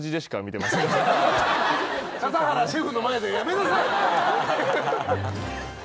笠原シェフの前でやめなさい！